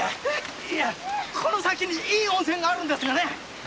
この先にいい温泉があるんですがね。